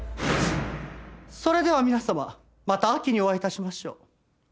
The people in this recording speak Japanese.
それでは皆様また秋にお会い致しましょう。